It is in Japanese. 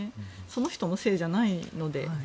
その人のせいじゃないので。